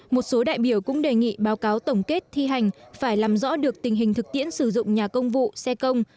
một số đại biểu cũng đề nghị báo cáo tổng kết thi hành phải làm rõ được tình hình thực tiễn sử dụng nhà công vụ xe công